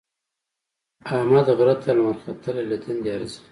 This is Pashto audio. احمد غره ته لمر ختلی له دندې ارځي.